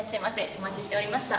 お待ちしておりました。